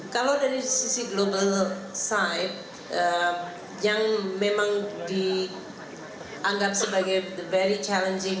kalau dari sisi global side yang memang dianggap sebagai very challenging